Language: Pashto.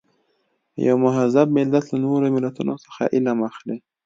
یو مهذب ملت له نورو ملتونو څخه علم اخلي.